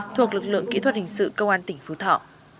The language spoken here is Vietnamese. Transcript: thuộc lực lượng kỹ thuật hình sự công an tỉnh phú thọ